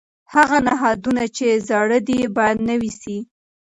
هغه نهادونه چې زاړه دي باید نوي سي.